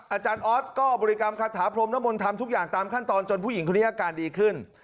อาจารย์ออสก็บริกรรมคาถาพรมนมลทำทุกอย่างตามขั้นตอนจนผู้หญิงคนนี้อาการดีขึ้น